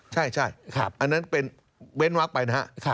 ใช่อันนั้นเป็นเว้นวักไปนะครับ